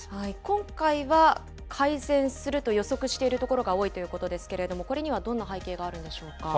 今回は改善すると予測しているところが多いということですけれども、これにはどんな背景があるんでしょうか。